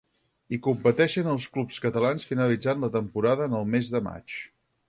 Hi competeixen els clubs catalans finalitzant la temporada en el mes de maig.